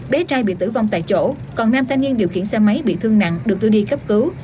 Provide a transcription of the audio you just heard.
bé trai bị tử vong tại chỗ còn nam thanh niên điều khiển xe máy bị thương nặng được đưa đi cấp cứu